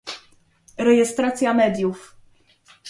rejestracja mediów